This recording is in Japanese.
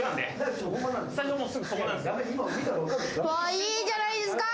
いいじゃないですか！